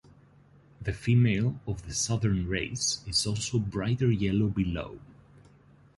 The female of the southern race is also brighter yellow below.